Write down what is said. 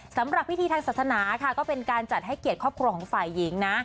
สำหรับพิธีทางศาสนาค่ะก็เป็นการจัดให้เกียรติครอบครัวของฝ่ายหญิงนะ